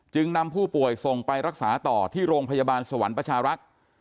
นำผู้ป่วยส่งไปรักษาต่อที่โรงพยาบาลสวรรค์ประชารักษ์